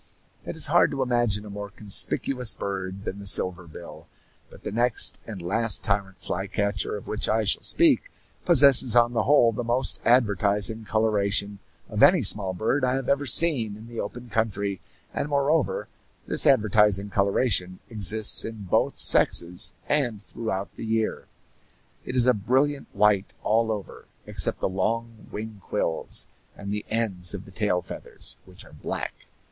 It is hard to imagine a more conspicuous bird than the silver bill; but the next and last tyrant flycatcher of which I shall speak possesses on the whole the most advertising coloration of any small bird I have ever seen in the open country, and moreover this advertising coloration exists in both sexes and throughout the year. It is a brilliant white, all over, except the long wing quills and the ends of the tail feathers, which are black.